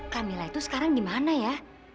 kamila itu sekarang dimana ya